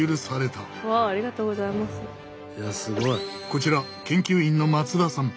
こちら研究員の松田さん。